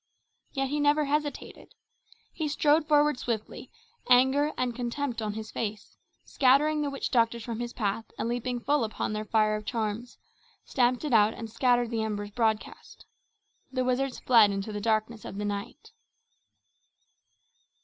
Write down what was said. Yet he never hesitated. He strode forward swiftly, anger and contempt on his face, scattering the witch doctors from his path and leaping full upon their fire of charms, stamped it out and scattered its embers broadcast. The wizards fled into the darkness of the night.